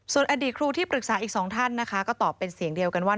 ส่วนอดีตครูที่ปรึกษาอีกสองท่านนะคะก็ตอบเป็นเสียงเดียวกันว่า